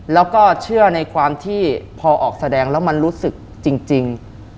แล้วก็เชื่อในความที่พอออกแสดงแล้วมันรู้สึกจริง